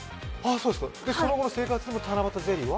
その後の生活での七夕ゼリーは？